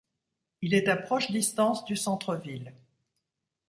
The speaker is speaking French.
Il est à proche distance du centre-ville.